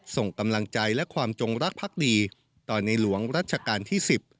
ส่งกำลังใจและความจงรักพักดีต่อในหลวงรัชกาลที่๑๐